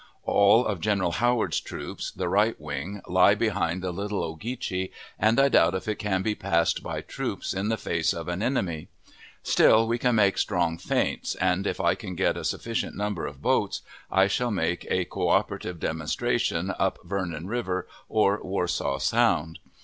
All of General Howard's troops (the right wing) lie behind the Little Ogeechee, and I doubt if it can be passed by troops in the face of an enemy. Still, we can make strong feints, and if I can get a sufficient number of boats, I shall make a cooperative demonstration up Vernon River or Wassaw Sound.